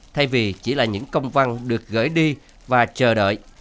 thay vì chỉ là những công văn được gửi đi và chờ đợi